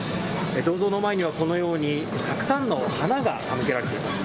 銅像の前にはこのように、たくさんの花が手向けられています。